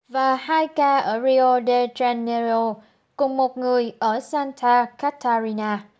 và hai ca ở rio de janeiro cùng một người ở santa catarrina